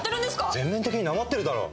「全面的に訛ってるだろう？」